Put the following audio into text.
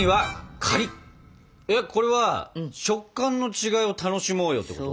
えっこれは食感の違いを楽しもうよってこと？